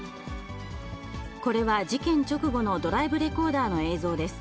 これは事件直後のドライブレコーダーの映像です。